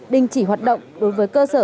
đình chỉ hoạt động đối với cơ sở